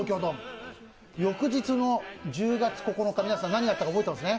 翌日の１０月９日、皆さん、何があったか覚えていますね。